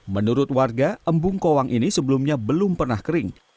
menurut warga embung kowang ini sebelumnya belum pernah kering